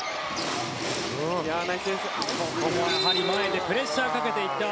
ここもやはり前でプレッシャーをかけていった。